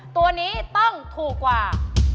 ตัวนี้ต้องถูกกว่า